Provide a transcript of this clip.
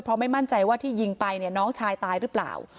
เพราะไม่มั่นใจว่าที่ยิงไปเนี่ยน้องชายตายหรือเปล่า